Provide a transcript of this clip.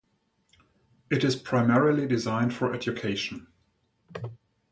It is primarily designed for education.